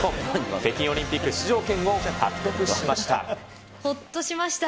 北京オリンピック出場権を獲得しほっとしました。